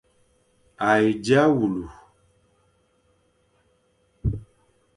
A he dia wule.